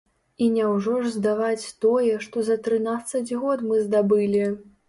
І няўжо ж здаваць тое, што за трынаццаць год мы здабылі.